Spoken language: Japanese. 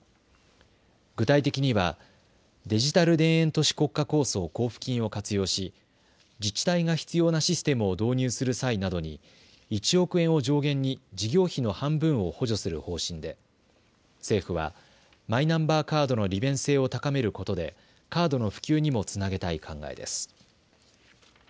具体的にはデジタル田園都市国家構想交付金を活用し自治体が必要なシステムを導入する際などに１億円を上限に事業費の半分を補助する方針で政府はマイナンバーカードの利便性を高めることでカードの普及にもつなげたい考えです。